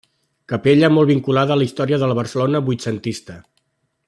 Capella molt vinculada a la història de la Barcelona vuitcentista.